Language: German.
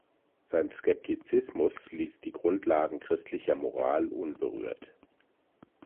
Sein Skeptizismus liess die Grundlagen christlicher Moral unberührt.